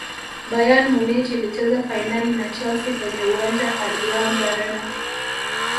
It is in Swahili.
bayern munich ilicheza fainali na Chelsea kwenye uwanja allianz arena